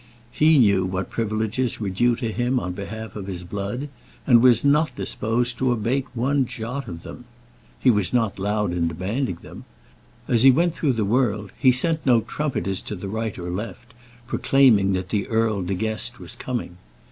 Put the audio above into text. He knew what privileges were due to him on behalf of his blood, and was not disposed to abate one jot of them. He was not loud in demanding them. As he went through the world he sent no trumpeters to the right or left, proclaiming that the Earl De Guest was coming.